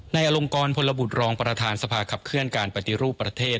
อลงกรพลบุตรรองประธานสภาขับเคลื่อนการปฏิรูปประเทศ